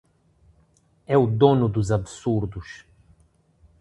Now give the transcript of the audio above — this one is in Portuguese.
É o dono dos absurdos.